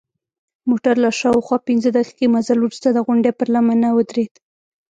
موټر له شاوخوا پنځه دقیقې مزل وروسته د غونډۍ پر لمنه ودرید.